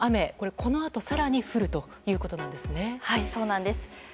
このあと、更に降るということですね。